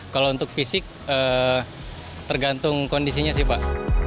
kalau untuk fisik tergantung kondisinya sih pak